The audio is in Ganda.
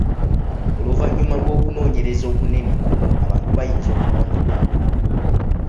Oluvannyuma lw’okunoonyereza okunene, abantu bayinza okuwona.